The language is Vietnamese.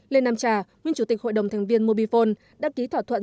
lên nam trà nguyên chủ tịch hội đồng thành viên mobifone đã ký thỏa thuận